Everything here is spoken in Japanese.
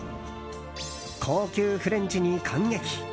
高級フレンチに感激。